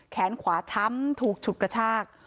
แขนขวาช้ำถูกฉุดกระชาก